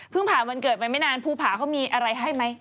ผ่านวันเกิดไปไม่นานภูผาเขามีอะไรให้ไหม